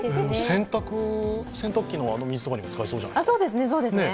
洗濯機の水とかにも使えそうじゃないですか。